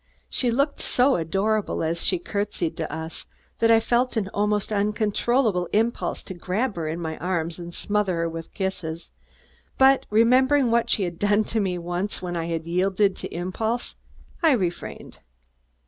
She looked so adorable as she curtsied to us that I felt an almost uncontrollable impulse to grab her in my arms and smother her with kisses, but remembering what she had done to me once when I yielded to impulse, I refrained.